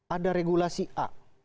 ada regulasi a